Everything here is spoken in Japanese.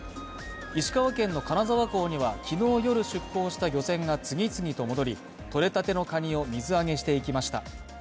石川県の金沢港には昨日夜出港した漁船が次々と戻り、取れたてのカニを水揚げしていきました。